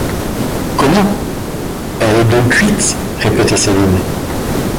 Comment! elle est donc cuite? répétait Cécile.